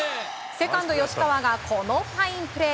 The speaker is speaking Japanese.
セカンド、吉川がこのファインプレー。